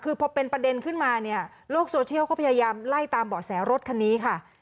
คือพอเป็นประเด็นขึ้นมาเนี่ยโลกโซเชียลก็พยายามไล่ตามเบาะแสรถคันนี้ค่ะ